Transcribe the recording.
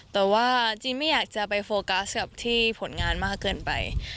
แต่ว่าจริงไม่อยากจะไปโฟกัสกับที่ผลงานมากเกินไป